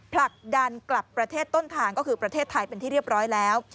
ผลักดันกลับประเทศต้นทางก็คือประเทศไทยเป็นที่เรียบร้อยแล้ว